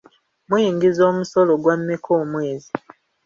Muyingiza omusolo gwa mmeka omwezi?